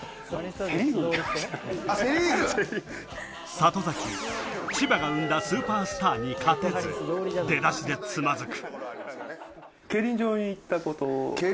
里崎、千葉が生んだスーパースターに勝てず、出だしでつまずく。